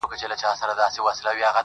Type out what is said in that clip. کوم عمل به مي دې خلکو ته په یاد وي؟،